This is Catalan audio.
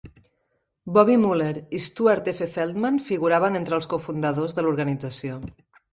Bobby Muller i Stuart F. Feldman figuraven entre els cofundadors de l'organització.